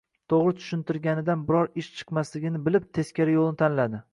To`g`ri tushuntirganidan biron ish chiqmasligini bilib, teskari yo`lni tanladi